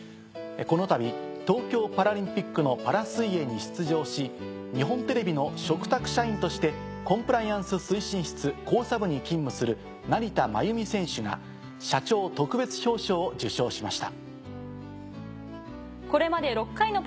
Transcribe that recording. このたび東京パラリンピックのパラ水泳に出場し日本テレビの嘱託社員としてコンプライアンス推進室考査部に勤務する成田真由美選手が社長特別表彰を受賞しました。